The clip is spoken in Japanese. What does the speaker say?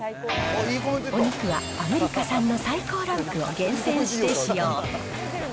お肉はアメリカ産の最高ランクを厳選して使用。